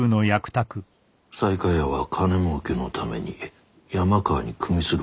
西海屋は金もうけのために山川にくみすることを考えた。